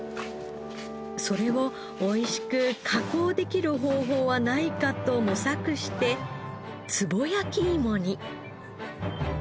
それをおいしく加工できる方法はないかと模索してつぼ焼きいもに。